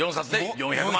４００万。